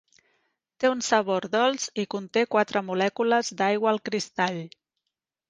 Té un sabor dolç i conté quatre molècules d'aigua al cristall.